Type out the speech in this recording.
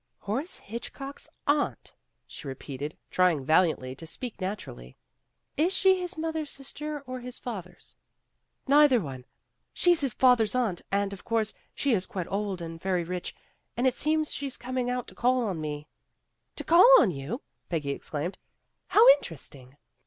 "Horace Hitchcock's aunt," she re peated, trying valiantly to speak naturally. "Is she his mother's sister or his father's." "Neither one. She's his father's aunt, and of course she is quite old and very rich, and it seems she's coming out to call on me." "To call on you," Peggy exclaimed. "How interesting!"